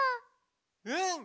うん！